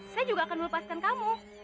saya juga akan melepaskan kamu